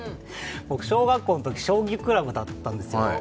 僕小学校のとき将棋クラブだったんですよ。